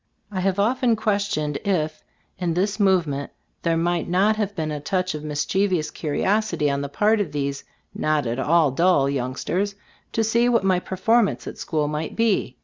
I have often questioned if in this movement there might not have been a touch of mischievous curiosity on the part of these not at all dull young sters, to see what my performance at school might be.